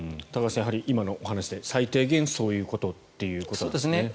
高橋さん、今のお話で最低限そういうことということですね。